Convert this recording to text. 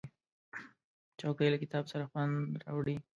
چوکۍ له کتاب سره خوند راوړي.